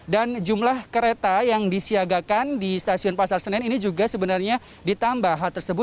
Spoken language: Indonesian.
dan jumlah kereta yang disiagakan di stasiun pasar senen ini juga sebenarnya ditambah